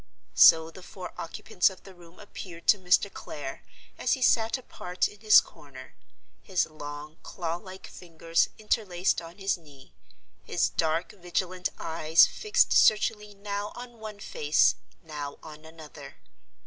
So the four occupants of the room appeared to Mr. Clare, as he sat apart in his corner; his long claw like fingers interlaced on his knee; his dark vigilant eyes fixed searchingly now on one face, now on another.